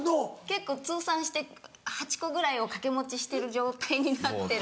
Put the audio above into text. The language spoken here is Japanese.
結構通算して８個ぐらいを掛け持ちしてる状態になってる。